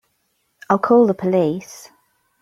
I'll call the police.